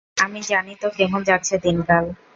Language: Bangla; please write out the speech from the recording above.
আমি জানি তো কেমন যাচ্ছে দিনকাল?